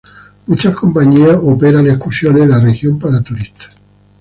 Muchas compañías operan excursiones en la región para turistas.